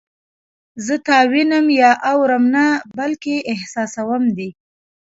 زه تا وینم یا اورم نه بلکې احساسوم دې